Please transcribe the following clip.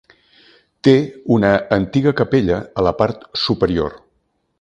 Té una antiga capella a la part superior.